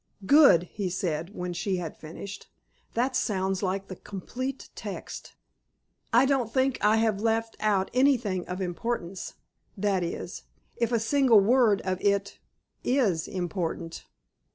"Good!" he said, when she had finished. "That sounds like the complete text." "I don't think I have left out anything of importance—that is, if a single word of it is important."